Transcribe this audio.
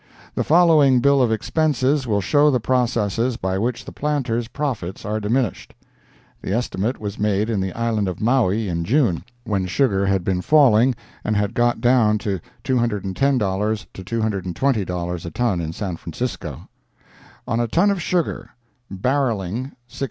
The following bill of expenses will show the processes by which the planter's profits are diminished. The estimate was made in the island of Maui, in June, when sugar had been falling and had got down to $210 to $220 a ton in San Francisco: ON A TON OF SUGAR Barreling—$16.